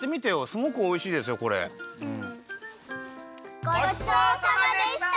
ごちそうさまでした！